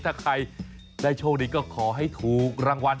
ถ้าใครได้โชคดีก็ขอให้ถูกรางวัล